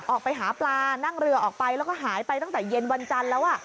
ออกไปหาปลานั่งเรือออกไปแล้วก็หายไปตั้งแต่เย็นวันจันทร์แล้ว